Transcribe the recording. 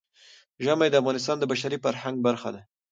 ژمی د افغانستان د بشري فرهنګ برخه ده.